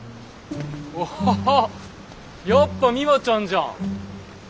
あっやっぱミワちゃんじゃん。